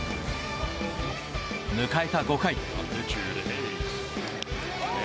迎えた５回。